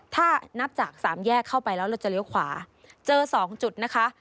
ถ้านับจากสามแยกเข้าไปแล้วเราจะเลี้ยวขวาเจอ๒จุดนะคะ